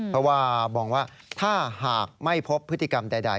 เพราะว่ามองว่าถ้าหากไม่พบพฤติกรรมใด